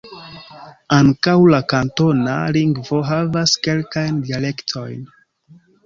Ankaŭ la kantona lingvo havas kelkajn dialektojn.